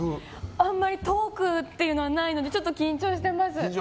あんまりトークっていうのはないのでちょっと緊張してます。